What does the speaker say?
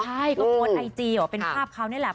ใช่ก็โพสต์ไอจีเหรอเป็นภาพเขานี่แหละ